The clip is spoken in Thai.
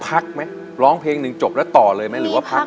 พักไหมร้องเพลงหนึ่งจบแล้วต่อเลยไหมหรือว่าพัก